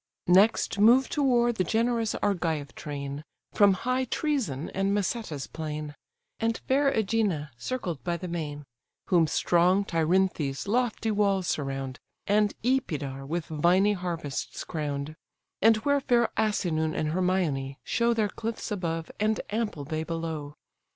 Next move to war the generous Argive train, From high Trœzenè, and Maseta's plain, And fair Ægina circled by the main: Whom strong Tyrinthe's lofty walls surround, And Epidaure with viny harvests crown'd: And where fair Asinen and Hermoin show Their cliffs above, and ample bay below.